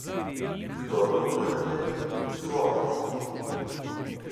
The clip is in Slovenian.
Kdor po tujem hlepi, svoje izgubi.